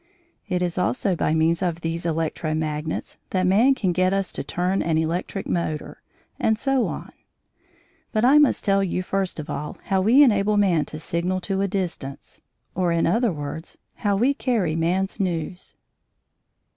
It is also by means of these electro magnets that man can get us to turn an electric motor, and so on. But I must tell you, first of all, how we enable man to signal to a distance, or, in other words, how we carry man's news.